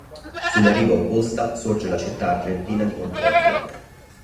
Sulla riva opposta sorge la città argentina di Concordia.